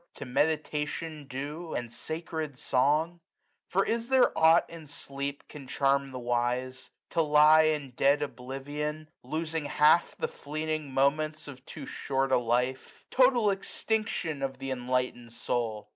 To meditation due and sacred song ? Jo For is there aught in sleep can charm the wise ? To lie in dead oblivion, losing half The fleeting moments of too short a life ; Total extinction of th* enlightened soul